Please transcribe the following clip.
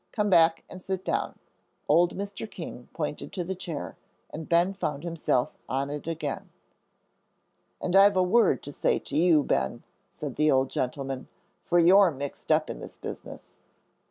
Come back and sit down." Old Mr. King pointed to the chair, and Ben found himself on it again. "And I've a word to say to you, Ben," said the old gentleman, "for you're mixed up in this business."